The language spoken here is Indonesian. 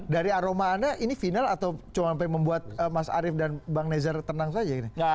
dari aroma anda ini final atau cuma membuat mas arief dan bang nezar tenang saja ini